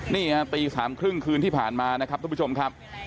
นี่ครับตีสามครึ่งคืนที่ผ่านมานะครับทุกผู้ชมครับ